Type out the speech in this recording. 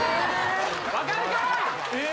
・分かるかー！